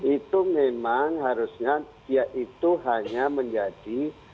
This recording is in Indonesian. itu memang harusnya dia itu hanya menjadi